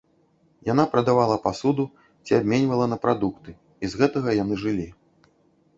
Яна прадавала пасуду ці абменьвала на прадукты, і з гэтага яны жылі.